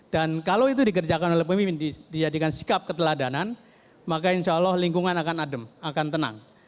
dan kalau itu dikerjakan oleh pemimpin dijadikan sikap keteladanan maka insya allah lingkungan akan adem akan tenang